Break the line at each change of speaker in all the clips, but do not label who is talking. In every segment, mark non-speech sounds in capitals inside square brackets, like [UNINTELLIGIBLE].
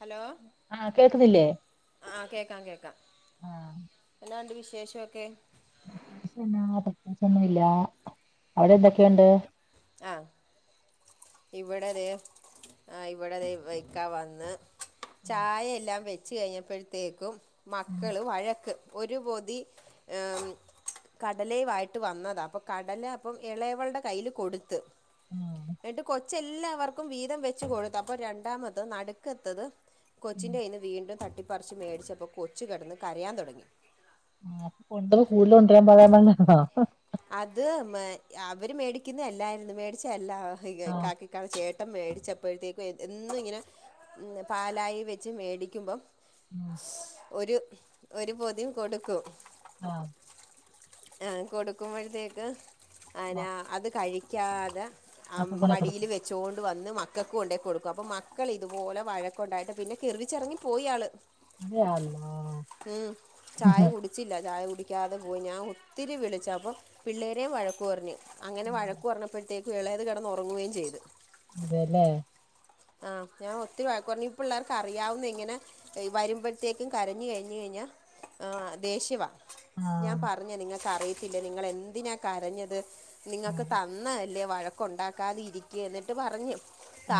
Hello?
ആഹ് കേക്കുന്നില്ലേ?
ആഹ് കേക്കാം കേക്കാം.
ആഹ്
എന്നാണ്ട് വിശേഷൊക്കെ?
[UNINTELLIGIBLE] പ്രത്യേച് ഒന്നുല്ലാ അവിടെ എന്തൊക്കെയൊണ്ട്?
ആഹ് ഇവിടതേ ആഹ് ഇവ്ടതേ ഇക്കാ വന്ന് ചായെല്ലാം വെച്ച് കഴിഞ്ഞപ്പോഴ്ത്തേക്കും മക്കള് വഴക്ക് ഒരു പൊതി ഏമ്ഹ് കടലേവായിട്ട് വന്നതാ പ്പൊ കടല അപ്പോം ഇളേവൾടെ കയ്യില് കൊടുത്ത്.
ആഹ്
ന്നിട്ട് കൊച്ച് എല്ലാവർക്കും വീതം വെച്ച് കൊടുത്ത്. അപ്പോം രണ്ടാമത്തത് നടുക്കത്തത് കൊച്ചിൻ്റയ്യിന്ന് വീണ്ടും തട്ടിപ്പറിച്ച് മേടിച്ചപ്പോ കൊച്ച് കെടന്ന് കരയാൻ തൊടങ്ങി
കൊണ്ട കൂട്തല് കൊണ്ടരാൻ പറ [UNINTELLIGIBLE]
അത് മ് അവര് മേടിക്കന്നല്ലായിര്ന്ന് മേടിച്ചല്ലാ
ആഹ്
കാക് ക്കാൾ ചേട്ടം മേടിച്ചപ്പോഴ്ത്തേക്കും എന്നും ഇങ്ങനാ ന്ന് പാലായ് വെച്ച് മേടിക്കുമ്പം
ഉം
ഒരു ഒരു പൊതി കൊടുക്കും
അഹ്
ആഹ് കൊടുക്കുമ്പോഴ്ത്തേക്ക് അനാ അത് കഴിക്കാത ആം
മക്കക്കൂടെ
മടീല്
കൊടുക്കും
വെച് ച്ചോണ്ട് വന്ന് മക്കക്ക് കൊണ്ടേക്കൊട്ക്കും. അപ്പോം മക്കളിതുപോലെ വഴക്കൊണ്ടായിട്ട് പിന്നെ കിർവിച്ചെറങ്ങി പോയിയാള്.
അതെയാ അള്ളാ
ഉംഹ് ചായ കുടിച് ച്ചില്ല. ചായ കുടിക്കാതെ പോയി ഞാൻ ഒത്തിരി വിളിചാപം പിള്ളേരേം വഴക്ക് പർഞ്ഞ്. അങ്ങനെ
ഉം
വഴക്ക് പറഞ്ഞപ്പോഴ്ത്തേക്ക് ഇളേത് കെടന്നൊറങ്ങുവ്യേം ചെയ്ത്.
അതേല്ലേ
ആ ഹ് ഞാ ഒത്തിരി വഴക്കറഞ്ഞ് ഇപ്പള്ളാർക്കറിയാവുന്ന്യാ ഇങ്ങന വരുമ്പോഴ്ത്തേക്കും കരഞ്ഞഴിഞ്ഞാഴ്ഞ്ഞാ ആഹ് ദേഷ്യവാ ഞാൻ
ആഹ്
പറഞ്ഞ് നിങ്ങക്ക് അറയത്തില്ലെ നിങ്ങളെന്തിനാ കരഞ്ഞത് നിങ്ങക്ക്
ആഹ്
തന്നലെ ല്ലേ വഴക്ക്ണ്ടാക്കാതെ ഇരിക്ക് എന്നിട്ട് പറഞ്ഞു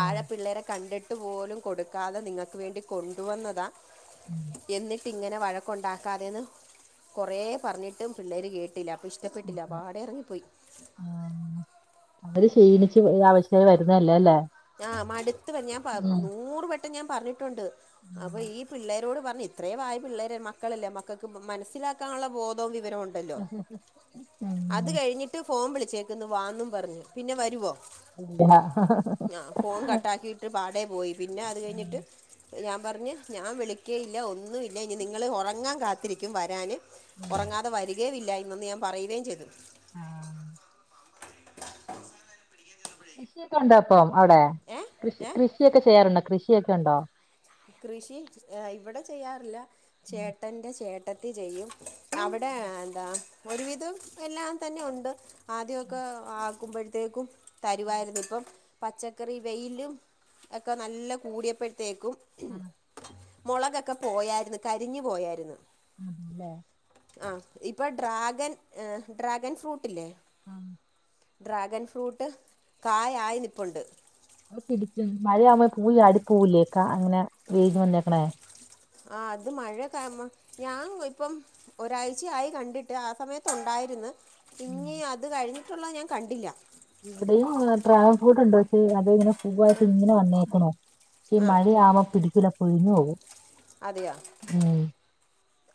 ആഹ്
പിള്ളേരെ കണ്ടിട്ട് പോലും കൊടുക്കാതെ നിങ്ങക്ക് വേണ്ടി കൊണ്ടുവന്നതാ
ഉം
എന്നിട്ടിങ്ങനെ വഴക്കൊണ്ടാക്കാതേന്ന് കുറേ പറഞ്ഞിട്ടും പിള്ളേര് കേട്ടില്ല അപ്പോ ശ്. ഷ്ട്ടപ്പെട്ടില്ല പാടേറിങ്ങിപ്പൊയ്
ആന്ന് അവര് ശീണിച്ച് അവശ്യായ് വരുന്നല്ലേല്ലേ
ആഹ് മട്ത്ത് ഞാൻ നൂറ് വട്ടം ഞാൻ പറഞ്ഞിട്ടുണ്ട് അപ്പം
ഉം
ഈ പിള്ളേരോട് പറഞ്ഞ് ഇത്രേ വായ പിള്ളേരെ മക്കളല്ലേ മക്കക്ക് മനസ്സിലാക്കാനൊള്ള ബോധവും വിവരോണ്ട്
ഉം തന്നെ
ട്ട് ഫോം വിളിച്ചേക്ക്ന്ന് വാന്നും പറഞ്ഞ് പിന്നെ വരുവോ
ഇല്ല
ആഹ് ഫോൺ കട്ടാക്കീട്ട് പാടേ പോയി പിന്നെ അത്
ഉം
കഴിഞ്ഞിട്ട് ഞാന് പറഞ്ഞ് ഞാൻ വിളിക്കേയില്ല ഒന്നുവില്ല ഇന്നി നിങ്ങള് ഒറങ്ങാൻ കാത്തിരിക്കും വരാന്
ഉം
ഒറങ്ങാതെ വരിഗില്ല എന്നൊന്ന് ഞാൻ പറയുകയും ചെയ്തു
ആഹ് കൃഷിയെക്കൊണ്ടാപ്പം അവ്ടെ
ഏ
കൃഷി
ഏ
കൃഷിയെക്കെ ചെയ്യാറുണ്ടൊ കൃഷിയൊക്കെ ഉണ്ടോ
കൃഷി ഏ ഇവിടെ ചെയ്യാറില്ല
ആഹ്
ചേട്ടന്റെ ചേട്ട ട്ടത്തി ചെയ്യും അവ്ടെ എന്താ ഒരുവിധം എല്ലാം തന്നെ ഉണ്ട് ആദ്യക്കെ ആക്കുമ്പോഴ്ത്തേക്കും തരുവായിരുന്ന് ഇപ്പം പച്ചക്കറി വെയിലും ഒക്കെ നല്ല കൂടിയപ്പഴ്ത്തേക്കും
ആഹ് ആഹ്
മൊളകക്കെ പോയാര്ന്ന് കരിഞ്ഞു പോയാര്ന്ന്
ആൺല്ലേ
ആ ഇപ്പം ഡ്രാഗൻ ഡ്രാഗൻ ഫ്രൂട്ടില്ലേ
ആഹ
ഡ്രാഗൺ ഫ്രൂട്ട് കായായി നിപ്പുണ്ട്
പിടിച്ച മഴയാവുമ്പോ പൂചാടി പോവൂലെ ക്കാ അങ്ങനെ വെയില് വന്നേക്കണേ
ആ അത് മഴ കാരണം ഞാൻ ഇപ്പം ഒരാഴ്ചയയി കണ്ടിട്ട് ആ സമയത്തു ണ്ടായിരുന്നു
ഉം
ഇഞ്ഞ് അത് കഴിഞ്ഞിട്ടുള്ള ഞാൻ കണ്ടില്ല
ഇവിടെയും ട്രാഗൺ ഫ്രൂട്ടുണ്ട് ഉണ്ടാക്കി പക്ഷേ അതിങ്ങനെ
ആ,
പൂവായിട്ട് ങ്ങനെ വന്നേക്കുണു ഈ
ആ
മഴവാ പിടിക്കൂല പൊഴിഞ്ഞു പോകും
അതെയാ
ഉം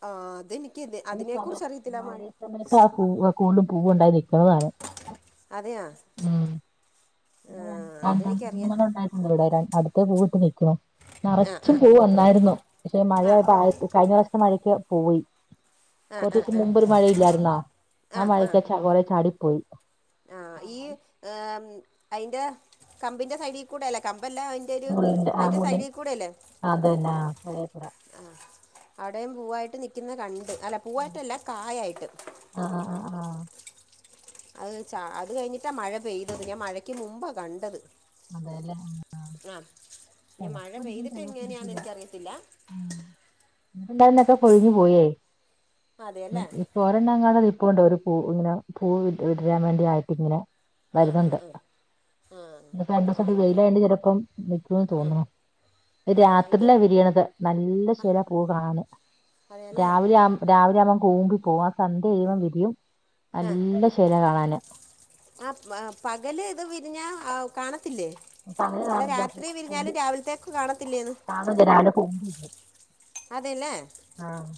ആ അതെ
ഈ സമയ മഴസമയത്ത് ആ പൂവ് കൂടുതും പൂവ്ണ്ടായി നിക്കുന്നതാണ്
അതെയാ ആ
[UNINTELLIGIBLE]
അതെനിക്കറിയാം
മൂന്നണ്ണംണ്ടായി വരാൻ അടുത്ത പൂവിട്ട് നിക്കുണു
ആ ആ
നറച്ചും പൂവന്നായിരുന്നു പക്ഷെ മഴയപ്പം ആ കഴിഞ്ഞറാസത്തെ മഴയ്ക്ക് പോയി
ആ ആ
കൊർച്ചീസം മുമ്പൊരു മഴയില്ലായിരുന്നൊ ആ മഴക്ക് കൊറെ ചാടിപ്പോയി
ആഹ ഈ അയിന്റെ കമ്പിന്റെ സൈഡികൂടെല്ലേ കമ്പല്ല ഒരു
മുള്ളിൻ്റെ ആ
അതിൻ്റെ
മുള്ള്
സൈഡിൽ
അതല്ലാ പഴറ
ആഹ അടെയും പൂവായിട്ട് നിക്കുന്നത് കണ്ട് അല്ല പൂവായിട്ടല്ല കായായിട്ട്
ആഹ ആഹ ആഹ ആഹ
അത് അത് കഴിഞ്ഞിട്ടാ മഴ പെയ്തത് ഞാൻ മഴയ്ക്ക് മുമ്പാ കണ്ടത്
അതെല്ലേ
ആഹ ഇനി മഴ
ചിലർക്ക് പിടിക്കും
പെയ്തിട്ട്
ചിലർക്ക്
എങ്ങനെയാെന്ന്
പിടിക്കില്ല
നിക്കറിയത്തില്ല
ഉം ഇപ്പൊണ്ടാക്കുന്നതക്കെ കൊഴിഞ്ഞു പോയേ
അതെ അല്ലേ
ങ്ങാടത് [UNINTELLIGIBLE] നിപ്പുണ്ട് ഒരു പൂങ്ങനെ പൂ വിടരാൻ വേണ്ടിയിട്ട് ങ്ങനെ
ആ ആ
വരുന്നുണ്ട്
ആ ആ
ഇ [UNINTELLIGIBLE]
ആ
രണ്ടിസായിട്ട്
ഇത്
വെയിലായേണ്ട് ചിലപ്പം നിക്കൂന്ന്
ആ
തോന്നുണു
ആ ഇത്
രാത്രിയിലാ വിരിയണത് നല്ല ശില പൂ കാണാൻ
അതേയല്ലേ
രാവിലെ ആവുമ്പം കൂമ്പി പോകും ആ സന്ധ്യ ചെയ്യുമ്പം വിരിയും നല്ല ശ്ശെരാ കാണാന്
ആഹ് പകല്ത് വിരിഞ്ഞാ അഹ് കാണത്തില്ലേ
പകല്
അല്ല
കാണില്ല
രാത്രി വിരിഞ്ഞാലും രാവിൽത്തേക് കാണത്തില്ലേന്ന്
കാണുലാ രാവിലെ [UNINTELLIGIBLE]
അതെല്ലേ
ആഹ്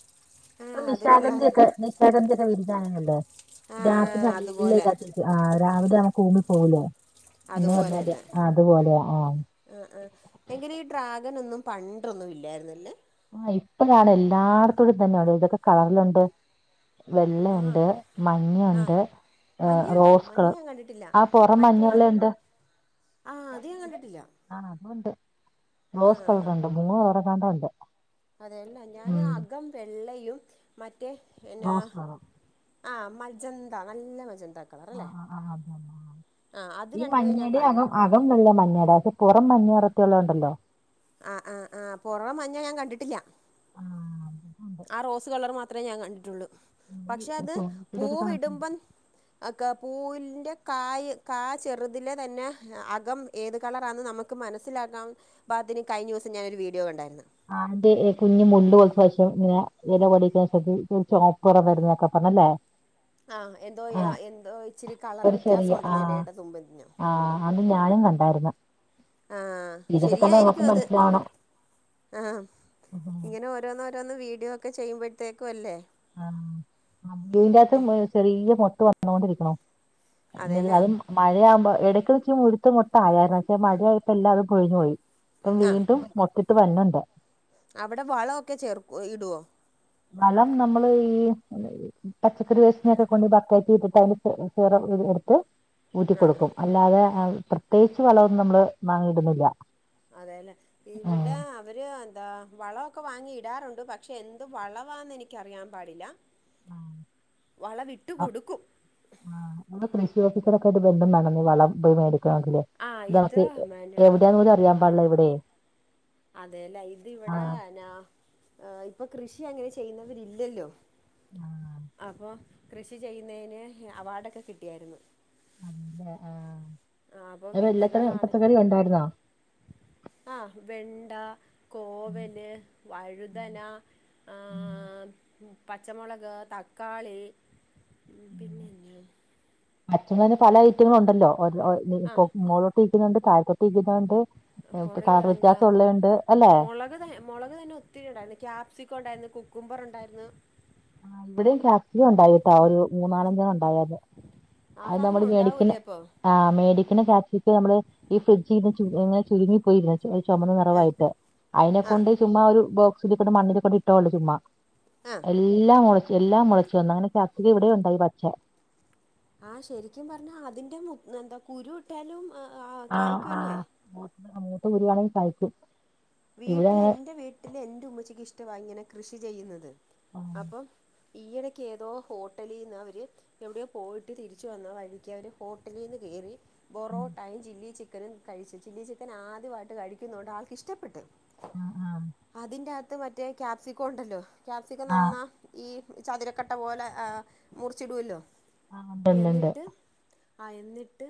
ആ
പ്പൊ
അത് കൊള്ളാമല്ലേ
നിഷാഗന്ധിഒക്കേ നിശാഗന്ധി ക്കെ വിരിഞ്ഞലുണ്ടല്ലോ
ആ
രാത്രി നല്ല
അതുപോലെ
കാറ്റ്ണ്ട് ആഹ് രാവിലെ ആവുമ്പം കുങ്ങി പോകൂലേ എന്ന് പറഞ്ഞ അതെ അതുപോലെയ ആഹ്
ആഹ് ആഹ് എങ്കിലീ ഡ്രാഗനൊന്നും പണ്ടൊന്നും ഇല്ലായിരുന്നല്ലേ
ആഹ് ഇപ്പയാണ് എല്ലാട്തൂടിം ഇതന്നെ എൽ തൊക്കെ കളറിലുണ്ട് വെള്ളൊണ്ട് മഞ്ഞൊണ്ട് ആഹ്
മഞ്ഞയുണ്ടോ
റോസ്
മഞ്ഞ
കളർ
ഞാൻ കണ്ടിട്ടില്ല
ആ പുറം
മറ്റേ
മഞ്ഞള്ളെന്തുവാ
ആഹ് അത് ഞാൻ കണ്ടിട്ടില്ല
ആഹ് അതുണ്ട് റോസ്
ആഹ്
കളറുണ്ട് മൂന്ന് കളറങ്ങാണ്ടോണ്ട്
അതെ ല്ലെ ഞാന് അകം വെള്ളയിലും മറ്റേ എന്നാ
റോസ് കളർ
ആ ഹ് മജന്താ നല്ല മജന്താ
ആഹ് ആഹ് ആഹ് അതാ
അത്
ഈ
രണ്ടുമേ ഞാൻ
മഞ്ഞേടെ
കണ്ടിട്ട്
അകം ആ കം മുഴുവൻ മഞ്ഞെടെ പ്പൊ പുറം മഞ്ഞ നിറത്തിലൊണ്ടല്ലോ
ആഹ് ആഹ് ആഹ് പുറം മഞ്ഞ ഞാൻ കണ്ടിട്ടില്ല
ആഹ് അത്
ആ റോസ് കളർ മാത്രേ ഞാൻ കണ്ടിട്ടുള്ളൂ. പക്ഷെ അത്
സോനിക്കൂടൊക്കെ കണ്ടിട്ടുണ്ട്
പൂവിടുമ്പം ഒക്കെ പൂവിൻ്റെ കായ് കാചെറുതിലെ തന്നെ അകം ഏത് കളറാണ് നമുക്ക് മക്ക് മനസ്സിലാകാം പാത്തിന് കഴിഞ്ഞിസം ഞാനൊരു വീഡിയോ കണ്ടായിര്ന്ന്
ആഹ് മറ്റെ കുഞ്ഞ്മുല്ല് മൊളിച്ചവശ്യം ഇങ്ങനെ ഇല പറിക്കനകുതിച്ച് ഓപ്പ്റം വരുന്നക്കെ പറഞ്ഞല്ലേ
ആഹ് എന്തോ
ആ
യാ എന്തോ ഇച്ചിരി കളറ്
ഒരു ചെറിയ ആ
വ്യത്യാസവോണ്ടെന്നെലയുടെ തുമ്പരിഞ്ഞൊ
ആ അത് ഞാനും കണ്ടായിരുന്നു.
ആഹ്
ഇതൊക്കെ തന്നെ
ശരിയായിരിക്കും
നമുക്ക്
അത്.
മനസ്സിലാവണം
ആഹ്
ഉം
ഇങ്ങനെ ഓരോന്ന് ഓരോന്ന് വീഡിയോക്കെ ചെയ്യുമ്പോഴത്തേക്കും അല്ലേ.
അം ഇതിന്റെഅത്ത്ന്ന് ചെറിയ മൊട്ട് വന്നൊണ്ടിരിക്കണം എല്ലതും
അതെല്ലേ
അത മഴയാവുമ്പോ ഇടയ്ക്ക് വെച്ച് മുഴത്ത് മൊട്ട്ആയായിരുന്നു പക്ഷെ മഴയായിപ്പോ എല്ലാം തും പൊഴിഞ്ഞു പോയി ഇപ്പം
ആഹ്
വീണ്ടും. പ്പോം മൊട്ടിട്ട് വന്ന്ണ്ട്.
അവിടെ വളൊക്കെ ചേർക്കൊ ഇടുവോ
വളം നമ്മള് ഈ എന്നാ പച്ചക്കറി വേസ്റ്റ്നയൊക്കെ കൊണ്ട് ബക്കറ്റ് ഇട്ട്ട്ട് അതിന്റെ ചെ ചെറ എ എടുത്ത്. ഊറ്റി
ആഹ് ആഹ്
ക്കൊടുക്കും അല്ലാതെ പ്രത്യേകിച്ച് വളമൊന്നും നമ്മള് മാങ്ങി ഇടുന്നില്ല.
അതെല്ലേ ഇവിടെ ഇവര് എന്താ വളവൊക്കെ വാങ്ങി ഇടാറുണ്ട് പക്ഷെ എന്ത് വളവാന്ന് എനിക്കറിയാൻ പാടില്ല. വളവിട്ട് കൊടുക്കും.
ആഹ് നമ്മടെ കൃഷി ഓഫീസറെക്കെ ആട്ട് ബന്ധം വേണംവളം മ്പോയി മേടക്കണെങ്കില്.
ആഹ് ഇത്
നമുക്ക്
മനാ
എവിടെയാന്ന് പോലും അറിയാൻ
ആഹ്
പാടില്ല ഇവിടെയ്
അതെല്ലേ ഇത് ഇവിടെ നാ ആഹ് ഇപ്പൊ കൃഷി അങ്ങനെ ചെയ്യുന്നവരില്ലല്ലോ
ആഹ്
അപ്പൊ കൃഷി ചെയ്യുന്നേയ്ന് ഹ് അവാർഡൊക്കെ കിട്ടിയായിരുന്നു.
[UNINTELLIGIBLE] ല്ലെ ആഹ്
അപ്പോൾ
എങ്ങനെ എല്ലാത്തരം പച്ചക്കറി യൊണ്ടായിര്ന്നോ
ആഹ് വെണ്ട
ഉം.
കോവല് വഴുതന
ഉം.
ഏഹ് ഉം പച്ചമുളക് തക്കാളി പിന്നെ എന്നാ
മച്ചു ങ്ങന്നെ പല ഐറ്റങ്ങളും ഉണ്ടല്ലോ എഹ് ഇഹ് ഇ
ആ
ഇപ്പൊ മോളിലോട്ട് ഇക്കുന്നുണ്ട് താഴെത്തേക്ക് രിക്കുന്നൊണ്ട്
കുറേ
കാട് വ്യത്യാസം ഉള്ളെ ണ്ട് അല്ലെ
മൊളക് തന്നെ ഒത്തിരി ഉണ്ടായിരുന്നു. ക്യാപ്സിക്കോ ഉണ്ടായിര്ന്നു കുക്കുംബർ ഉണ്ടായിര്ന്നു.
ആ ഇവിടെയും ചക്കി ഉണ്ടായിട്ടാ ഒരു മൂന്നാലാം ഞ്ചണ്ണം ഉണ്ടായത്.
ആ
അത്
സാധനം
നമ്മള് മേടിക്കിന്
ഉണ്ടാവൂലേ ഇപ്പോൾ
ആ് മേടിക്കുന്ന പ്ലാസ്റ്റിക്ക് നമ്മള് ഈ ഫ്രിഡ്ജിൽ ഇന്ന് ഇങ്ങന ചുരുങ്ങി ക്ക്ണില്ലെ ചുമ നിറവായിട്ട്
ആ ആ
അതിനെക്കൊണ്ട് ചുമ്മാ ഒരു ബോക്സിലേക്കണ്ട് മണ്ണിലേക്കൊണ്ട് ഇട്ടള്ളൂ ചുമ്മാ.
ആ
എല്ലാം മുളച്ചു എല്ലാം മുളച്ച് വന്നു അങ്ങനെ ഫസ്റ്റ് ഇവിടെ ഉണ്ടായി പച്ച
ആഹ ശരിക്കും പറഞ്ഞാ അതിന്റെ എന്താ കുരു ഇട്ടാലും ആ
ആ ആ മൂത്ത് വരുവാണെങ്കിൽ കഴിക്കും. ഇവിടെ
വീട്ടിൽ
അങ്ങനെ
എൻറെ വീട്ടില് എൻറെ ഉമ്മച്ചിക്ക് ഇഷ്ടവാ ഇങ്ങനെ കൃഷി ചെയ്യുന്നത്
ആ
അപ്പം ഈയിടയ്ക്ക്തോ ഹോട്ടലിന്ന് അവര് എവിടെയ പോയിട്ട് തിരിച്ചു വന്ന വഴിക്ക് അവര് ഹോട്ടലിന്ന് കയറി ബൊറോട്ടെയും ചില്ലി ചിക്കനും കഴിച്ചു. ചില്ലി ചിക്കൻ ആദ്യമായിട്ട് കഴിക്കുന്നത് കൊണ്ട് ആൾക്ക് ഇഷ്ടപ്പെട്ട്.
ആ ആ
അതിന്റെ അകത്ത് മറ്റേ ക്യാപ്സിക്കോ ഉണ്ടല്ലോ ക്യാപ്സിക്കോ
ആ
നന്നാ ഈ ചതുരക്കട്ട പോലെ ആ മുറിച്ചിടുല്ലോ
ആഹ് ഉണ്ട്ണ്ട്ണ്ട്
എന്നിട്ട് ആ എന്നിട്ട്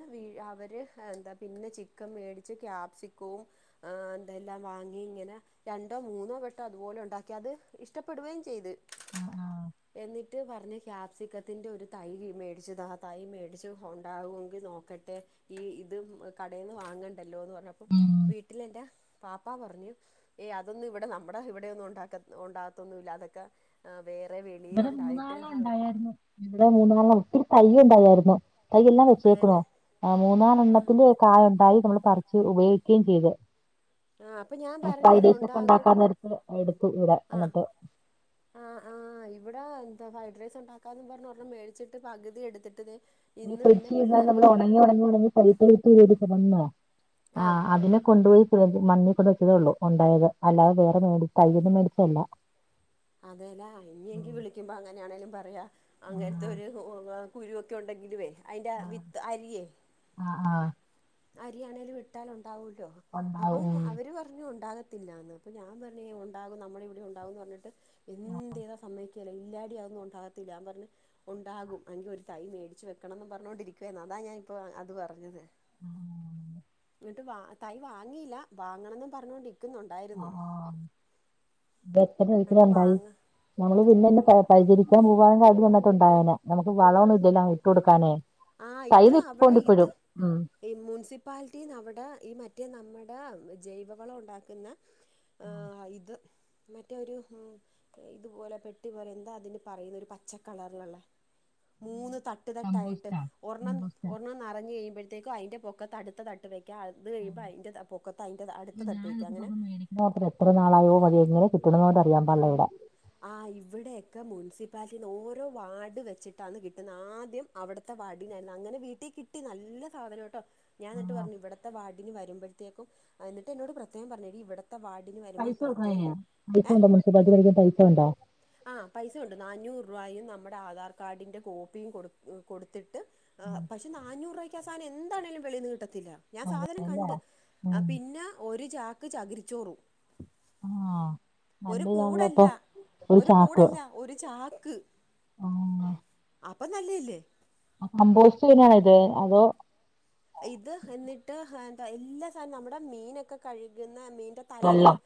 അവര് എന്താ പിന്നെ ചിക്കൻ മേടിച്ച് ക്യാപ്സിക്കവും ആ അതെ എല്ലാം വാങ്ങി ഇങ്ങനെ രണ്ടോ മൂന്നോ വെട്ടോ അതുപോലെ ഉണ്ടാക്കി അത് ഇഷ്ടപ്പെടുകയും ചെയ്ത്
ആഹ് ആഹ്
എന്നിട്ട് ട്ട് പറഞ്ഞ് ക്യാപ്സിക്കത്തിൻ്റെ ഒരു തൈ മേടിച്ചത് ആ തൈ മേടിച്ച് ഉണ്ടാകുമെങ്കിൽ നോക്കട്ടെ ഈ ഇത് കടയിൽന്ന് വാങ്ങണ്ടല്ലോ എന്ന് പറഞ്ഞപ്പോ
ഉം
വീട്ടില എന്റെ പാപ്പാ പറഞ്ഞു ഏയ് അതൊന്നും ഇവിടെ നമ്മുടെ ഇവിടെന്നും ഉണ്ടാക്ക ഉണ്ടാകത്തൊന്നുമല്ല അതൊക്കെ ആ വേറെ
ഇവിടെ
വെളിയിൽണ്ടായിട്ട്
മൂന്നാലെണ്ണം
അവർ
ഉണ്ടായായിരുന്നു ഇവിടെ മൂന്നാാലെണ്ണം ഒത്തിരി തൈ്യ ഉണ്ടായിരുന്നു തയ്യെല്ലാം വെച്ചേക്കണോ
അതെല്ലേ
ആ മൂന്നാാലെ
ആ
എണ്ണത്തിന്റെ കായ ഉണ്ടായി നമ്മൾ പറിച്ച് ഉപയോഗിക്കുകയും ചെയ്ത്.
ആഹ് അപ്പൊ ഞാൻ പറഞ്ഞത് ഉണ്ടാകും
പ്പയിഡീസക്കെണ്ടാക്കാൻ നേരത്ത് എടുത്തു ഇവടെ
ആഹ്
അന്നിട്ട്.
ആഹ് ആഹ് ഇവടെ എന്താ ഫ്രൈഡ് റൈസണ്ടാക്കാന്നുപറഞ്ഞൊരണം മേടിച്ചിട്ട് പകുതി എടുത്തിട്ട് ദേ
ന്നി
ഇന്ന് പിന്നെ
ഫ്രിഡ്ജിരുന്നാ
പിള്ളേർക്ക്
നമ്മളൊണങ്ങിയൊണങ്ങി ഒണങ്ങി [UNINTELLIGIBLE] വന്നോ ആഹ് അതിനെ കൊണ്ടോയി മണ്ണികൊണ്ടെ വെച്ചതോള്ളൂ ഒണ്ടായത് അല്ലാതെ വേറെ മേടി തയ്യൊന്നും മേടിച്ചല്ല.
അതേലാ ഇനി എങ്കി വിളിക്കുമ്പ അങ്ങനെയാണെലും പറയാ അങ്ങ
ആഹ്
ത്തൊര് കുഴികൊത്തിണ്ടെങ്കിലുവേ അയിൻ്റ
ആഹ്
വിത്ത് അരിയേ
ആഹ് ആഹ്
അരിയാണേലും ഇട്ടലോണ്ടാവൂലോ
ഉണ്ടാവും
അപ്പം
ഉം
അവര് പറഞ്ഞു ഒണ്ടാക ത്തില്ലാന്ന് അപ്പ ഞാൻ പറഞ്ഞ് ഒണ്ടാകും നമ്മടെവിടെ ഒണ്ടാകുന്നു പറിഞ്ഞിട്ട് എന്തേയ്താ സമ്മേയ് റ്റള് ഇല്ലാടി അതൊന്നു ഒണ്ടാകത്തില്ല ആം പറഞ്ഞ് ഉണ്ടാകും അയിന്റെ ഒരു തൈ മേടിച്ച് വെക്കണന്നും പറഞ്ഞൊണ്ടിരിക്കാരുന്നു അതാ ഞാൻ ഇപ്പോ അത് പറഞ്ഞത്. ന്നിട്ട് വാ തൈ വാങ്ങീല വാങ്ങണന്നും പറഞ്ഞോണ്ടിരി
ആഹ് ആഹ് വെച്ചത് വീട്ടിലെ
എന്നിട്ട്
എന്തായി?
വാങ്ങ
നമ്മള് പിന്നന്നെ പ പരിചരിക്കാൻ പോകാൻ [UNINTELLIGIBLE] ട്ടുണ്ടാവില്ല നമുക്ക് വളൊന്നു ഇല്ലല്ലോ ഇട്ട് കൊടുക്കാന്.
ആ
തൈ
ഇത് അവിടെ ഇത്
നിപ്പൊണ്ടിപ്പഴും ഉം.
ഈ മുൻസിപ്പാലിറ്റിന്നവടെ ഈ മറ്റേ നമ്മടെ ജൈവവള ഒണ്ടാക്കുന്ന ആഹ് ഇത് മറ്റേ ഒരു ഉം ഇതുപോലെ പെട്ടി പോലെ എന്താ അതിന് പറയുന്നെ ഒരു പച്ചക്കളറില്ള്ളെ മൂന്ന് തട്ട് ട്ട് തട്ടായിട്ട്
കമ്പോസ്റ്റാ
ഒർണ്ണം
കമ്പോസ്റ്റാ
ഒർണ്ണം നറഞ്ഞ് കഴിയ്മ്പേഴ്‌ത്തേക്ക്‌ അയിന്റെ പൊക്കത്ത് അടുത്ത തട്ട് വെക്കാ അത് കഴിയുമ്പ അയിൻ്റെ പൊക്കത്ത് അയിന്റെ അടുത്ത തട്ട് വെയ്ക്കാം അങ്ങനെ
മാത്ര എത്ര നാളായോ മതിയോ ഇങ്ങന കിട്ടണോണ്ടറിയാൻ പാടില്ലവടെ.
ആ ഇവിടെയക്കെ മുൻസിപ്പാലിറ്റിന്ന് ഓരോ വാർഡ് വെച്ചിട്ടാണ് കിട്ടുന്നെ ആദ്യം അവടത്തെ വാർഡിനാരുന്നു അങ്ങനെ വീട്ടി കിട്ടി നല്ല സാധനട്ടോ ഞാന്നിട്ട്
ആഹ്
പറഞ്ഞു ഇവത്തെ വാർഡിന് വരുമ്പഴ്ത്തേക്കും ന്നിട്ട് എന്നോട് പ്രത്യേകം പറഞ്ഞ് എടി ഇവട ത്ത വാഡിനു
പൈസ കൊടുക്കണോ അയിന് പൈസ വേണ്ട മുൻസിപ്പാലിറ്റി മേടിക്കൻ പൈസവേണ്ട
ആഹ് പൈസ ഒണ്ട് നാന്നൂറുവ അയിന് നമ്മടെ ആധാർ കാർഡിന്റെ കോപ്പിയും കൊട് കൊടുത്തിട്ട് ആഹ് പക്ഷെ നാന്നൂറുവയ്ക്ക് ആഹ് സാനം എന്താണേലും വെളീന്ന് കിട്ടത്തില്ല. ഞാൻ സാധനം കണ്ട്
ഉം
പിന്ന ഒരു ചാക്ക് ചകിരിച്ചോറും.
ആഹ്
ഒരു
നല്ല ഇതാണല്ലോ
കൂടല്ല
ഇപ്പൊ
ഒരു കൂടല്ല ഒര് ചാക്ക്.
ആഹ്
അപ്പ നല്ലേയല്ലേ
കമ്പോസ്റ്റ്ന്നെയാണോ ഇത് അതോ
ഇത് എന്നിട്ട് എന്താ എല്ലാ സാനോം നമ്മടെ മീനക്കെ കഴുക്ന്ന മീന്റെ തലയും
വെള്ളം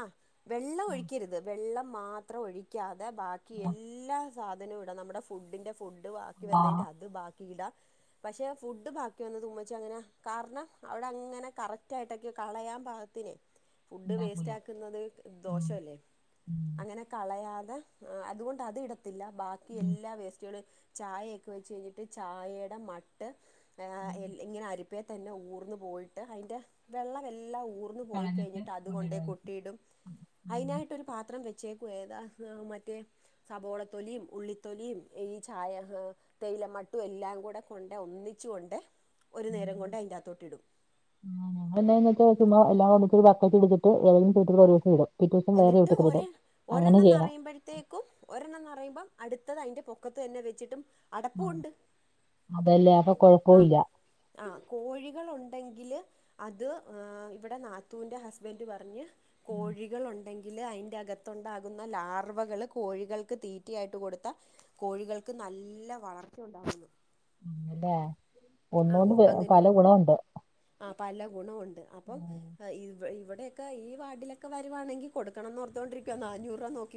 ആഹ് വെള്ളൊഴിക്കരുത് വെള്ളം മാത്രം ഒഴി ക്കാതെ ബാക്കി എല്ലാ സാധനോം ഇടാം നമ്മടെ ഫുഡിൻ്റെ ഫുഡ് ബാക്കി
ആഹ്
വന്നേയ്ന്റെ അത് ബാ ക്കിടാം പക്ഷെ ഫുഡ് ബാ ക്കി വന്നത് ഉമ്മച്ചി അങ്ങനെ കാരണം അവടങ്ങനെ കറക്റ്റ് ആയിട്ടക്കെ കളയാൻ പാത്തിനെ ഫുഡ്
ഉണ്ടാക്കൂല
വേസ്റ്റാക്കുന്നത്
ഉം
ദോഷല്ലേ
ഉം
അങ്ങനെ കളയാതെ അതുകൊണ്ട് അത് ഇടത്തില്ല ബാക്കി എല്ലാ വേസ്റ്റുകളും ചായക്കെ വെച്ച് കഴിഞ്ഞിട്ട് ചായേടെ മട്ട് ഇങ്ങനെ അരിപ്പ് പ്പേ തന്നെ ഊർന്നു പോയിട്ട് അയിന്റെ വെള്ളവെല്ലാം ഊർ വുടുന്ന് പോയി
കളഞ്ഞിട്ട്
കെഴിഞ്ഞിട്ട് അതുകൊണ്ടേ
കൊണ്ടിടുവായിരിക്കും
കൊട്ത്തീടും അയിനായിട്ടൊരു പാത്രം ച്ചേക്കുവാ ഏതാ മറ്റേ സവോളത്തൊലിയും ഉള്ളിത്തൊലിയും ഈ ചായ തേയിലമട്ടും എല്ലാം കൂടെ കൊണ്ടേ ഒന്നിച്ചു കൊണ്ടേ ഒരു നേരം കൊണ്ട് അയിന്റാത്തോട്ടിടും.
ആഹ് അതെന്തേയ്ന്നച്ച ചുമ്മ എല്ലാം കൂടെട്ട് ബക്കറ്റെടുത്തിട്ട് ഏതേം ചോട്ടിക്കൂടെ ഒരൂസം ഇടും. പിറ്റേ ദിവസം വേറെ
എന്നിട്ട്
ചോട്ടിൽ
ഒരെ
ഇടും അങ്ങനെ
ഒരെണ്ണം
ചെയ്യണം
നെറയുമ്പഴത്തേ ക്കും ഒരെണ്ണ പറയുമ്പം അടുത്തത് അതിന്റെ പൊക്കത്ത് തന്നെ വെച്ചിട്ടും
ഉം.
അടപ്പൂണ്ട്
അതല്ലേ അപ്പൊ കൊഴപ്പോല്ല
ആഹ് കോഴികളുണ്ടെങ്കില് അത് ആഹ് ഇവിടെ നാത്തൂൻ്റെ ഹസ്ബൻഡ് പറഞ്ഞ് കോഴികൾ ഉണ്ടെങ്കില് അയ്ന്റെ അകത്തുണ്ടാകുന്ന ലാർവകള് കോഴികൾക്ക് തീറ്റ ആയിട്ട് കൊടുത്താ കോഴികൾക്ക് നല്ല വളർച്ച ഉണ്ടാ [INAUDIBLE]
[UNINTELLIGIBLE]
ആഹ്
ഒന്നുകൊണ്ട് പ-
അങ്ങനെ
പല ഗുണമുണ്ട്
ആഹ് പല ഗുണവുണ്ട് അപ്പം ഇവ് ഇവടെ ക്കെ ഈ വാഡിലൊക്കെ വരുവാണെങ്കി കൊടുക്കണന്ന് ഓർത്തോണ്ടിരിക്കുവ നാനൂറ് രൂപ നോക്ക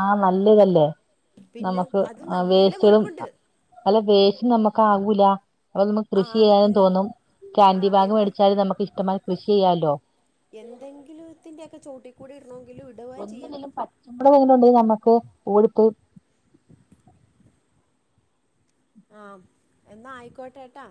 ആഹ് നല്ലതല്ലേ
പിന്നെ
നമുക്ക്
അത്
ആഹ്
നല്ല
വേസ്റ്റുകളും
മുഴുപ്പുണ്ട്
അഹ് അല്ല വേസ് നമുക്ക് ആകൂല അപ്പൊ നമുക്ക്
ആ
കൃഷി ചെയ്യാനും
ആകത്തില്ല
തോന്നും
ആ
കാൻഡി ബാഗ്
എന്ത്
മേടിച്ചാലും നമുക്ക് ഇഷ്ടംമാരി കൃഷി ചെയ്യാലോ
എന്തെങ്കിലോക്കെ ഇത്ത്ന്റെയൊക്കെ ചോട്ടി കുടി ഇടണോങ്കിലും ഇട
ഒന്നുല്ലേലും പറ്റുമ്പളേലും ഒന്ന് നമ്മക്ക് ഓടിട്ട്
ആഹ് എന്നാ ആയിക്കോട്ടെട്ടാ